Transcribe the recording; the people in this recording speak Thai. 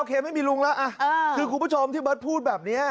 ไม่คืออ่าไม่มีลุงล่ะคือคุณพระชมที่เบิร์ตพูดแบบนี้